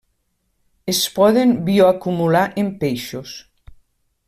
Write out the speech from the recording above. Es poden bioacumular en peixos.